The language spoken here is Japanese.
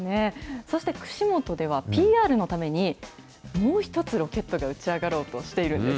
そして、串本ではＰＲのために、もう１つロケットが打ち上がろうとしているんです。